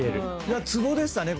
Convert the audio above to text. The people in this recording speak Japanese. ツボでしたね